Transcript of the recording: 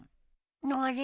あれ？